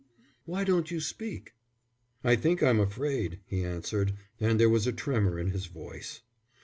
"Why don't you speak?" "I think I'm afraid," he answered, and there was a tremor in his voice.